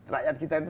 rakyat kita itu